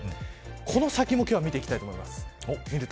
この先も今日は見ていきたいと思います。